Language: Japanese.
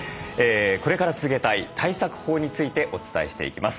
これから続けたい対策法についてお伝えしていきます。